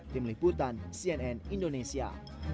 tim liputan cnn indonesia